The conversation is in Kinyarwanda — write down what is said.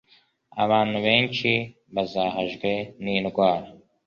abantu benshi bazahajwe n'indwara